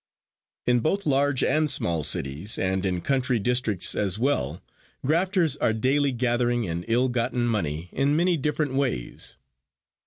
In both large and small cities, and in country districts as well, grafters are daily gathering in ill gotten money in many different ways.